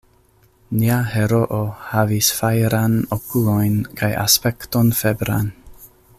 Nia heroo havis fajrajn okulojn kaj aspekton febran.